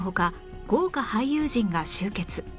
豪華俳優陣が集結